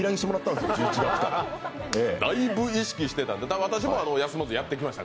だいぶ意識してました